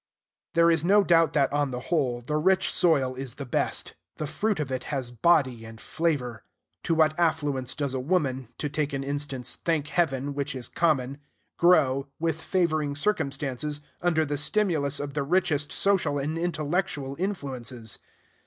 There is no doubt that, on the whole, the rich soil is the best: the fruit of it has body and flavor. To what affluence does a woman (to take an instance, thank Heaven, which is common) grow, with favoring circumstances, under the stimulus of the richest social and intellectual influences!